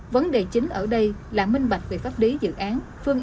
vấn đề chính ở đây là minh bạch về pháp định